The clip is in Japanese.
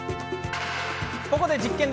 ここで実験！